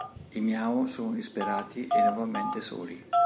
I Miao sono disperati e nuovamente soli.